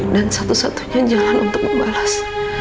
dan satu satunya jalan untuk membalas